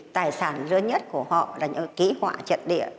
tài sản lớn nhất của họ là những ký họa trận địa